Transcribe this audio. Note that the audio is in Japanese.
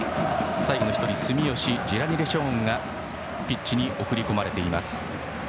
最後の１人住吉ジェラニレショーンがピッチに送り込まれています。